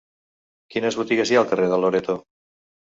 Quines botigues hi ha al carrer de Loreto?